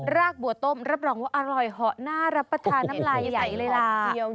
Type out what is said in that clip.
รากบัวต้มรับรองว่าอร่อยเหาะน่ารับประทานน้ำลายไหลเลยล่ะ